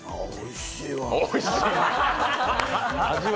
おいしいわ。